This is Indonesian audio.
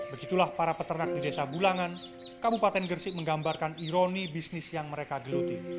begitulah para peternak di desa bulangan kabupaten gresik menggambarkan ironi bisnis yang mereka geluti